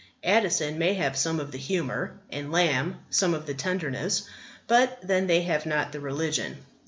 Addison may have some of the humour and Lamb some of the tenderness; but, then, they have not the religion.